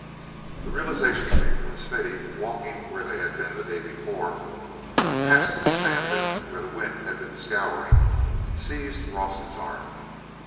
The realization came when Smithy, walking where they had been the day before, passing the sand dune where the wind had been scouring, seized Rawson's arm.